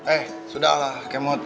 eh sudah lah kemot